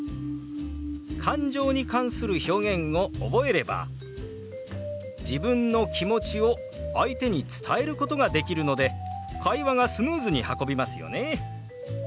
感情に関する表現を覚えれば自分の気持ちを相手に伝えることができるので会話がスムーズに運びますよね。